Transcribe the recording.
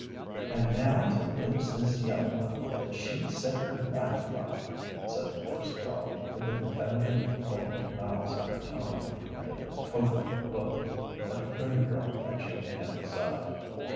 "And now to lose this young one that she set her life by," said the first girl, with an evident point of malice in her tone, and a covert look at the pretty girl at Jim Tenny's side.